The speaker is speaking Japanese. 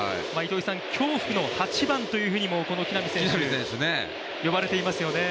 恐怖の８番というふうにもこの木浪選手、呼ばれていますよね